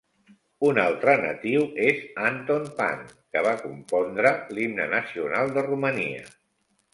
Un altre natiu és Anton Pann, que va compondre l'himne nacional de Romania.